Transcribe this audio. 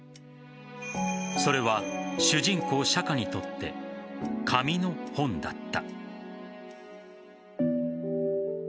それは、主人公・釈華にとって紙の本だった。